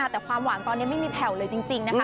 แต่ความหวานตอนนี้ไม่มีแผ่วเลยจริงนะคะ